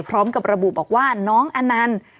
พร้อมกับระบุบอกว่าน้องอนันต์